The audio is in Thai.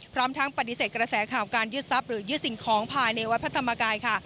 พร้อมทั้งปฏิเสธกระแสข่าวการยึดทรัพย์หรือยึดสิ่งของภายในวัดพระธรรมกายค่ะ